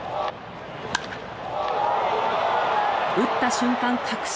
打った瞬間、確信。